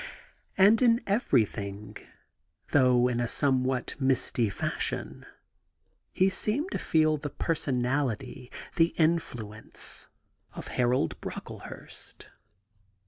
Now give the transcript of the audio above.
And in ever3i;hing, though in a somewhat misty fashion, he seemed to feel the personality, the influence, of Harold Brocklehurst.